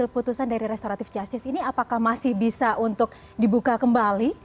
putusan dari restoratif justice ini apakah masih bisa untuk dibuka kembali